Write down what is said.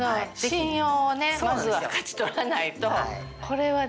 信用をねまずは勝ち取らないと。